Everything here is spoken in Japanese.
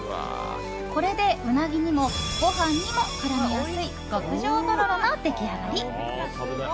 これでウナギにもご飯にも絡みやすい極上のとろろの出来上がり。